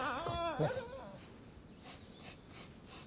ねっ？